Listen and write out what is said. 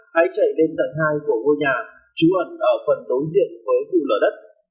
hãy chạy đến tầng hai của ngôi nhà chú ẩn ở phần đối diện với thủ lở đất